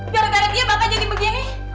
gara gara dia makan jadi begini